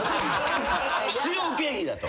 必要経費だと。